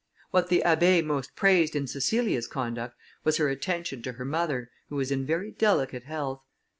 What the Abbé most praised in Cecilia's conduct, was her attention to her mother, who was in very delicate health.